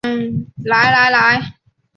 来来来